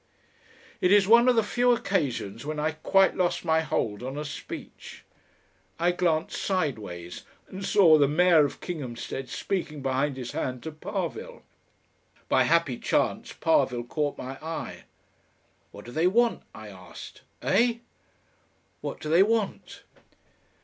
It is one of the few occasions when I quite lost my hold on a speech. I glanced sideways and saw the Mayor of Kinghamstead speaking behind his hand to Parvill. By a happy chance Parvill caught my eye. "What do they want?" I asked. "Eh?" "What do they want?"